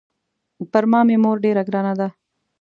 پر ما مې مور ډېره ګرانه ده.